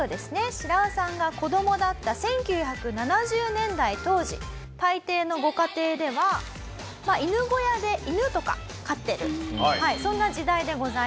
シラワさんが子どもだった１９７０年代当時大抵のご家庭では犬小屋で犬とか飼ってるそんな時代でございます。